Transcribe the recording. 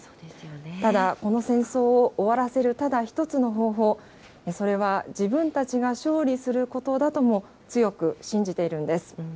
ただ、この戦争を終わらせるただ一つの方法、それは自分たちが勝利することだとも強く信じているんです。